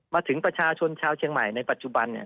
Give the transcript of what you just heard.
มาถึงประชาชนชาวเชียงใหม่ในปัจจุบันเนี่ย